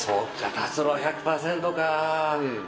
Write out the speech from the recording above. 達郎１００％か。